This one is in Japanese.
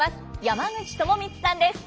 山口智充さんです。